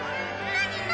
何？